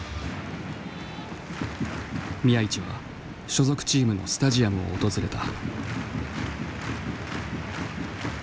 宮市は所属チームのスタジアムを訪れた。